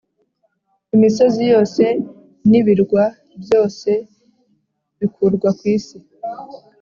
imisozi yose n ibirwa byose bikurwa ku isi